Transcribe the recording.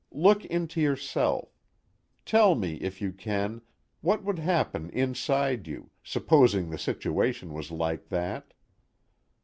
Look into yourself. Tell me, if you can, what would happen inside you, supposing the situation was like that.